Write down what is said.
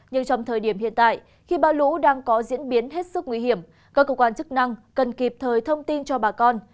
nhưng trong thời điểm hiện tại khi bão lũ đang có diễn biến hết sức nguy hiểm các cơ quan chức năng cần kịp thời thông tin cho bà con